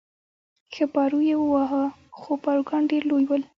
ښه پارو یې واهه، خو پاروګان ډېر لوی ول.